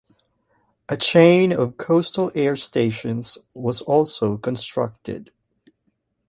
A chain of coastal air stations was also constructed.